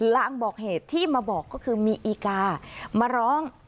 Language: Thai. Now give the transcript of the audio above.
ลางบอกเหตุที่มาบอกก็คือมีอีกามาร้อง